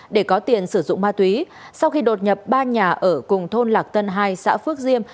để có tiền sử dụng ma túy sau khi đột nhập ba nhà ở cùng thôn lạc tân hai xã phước diêm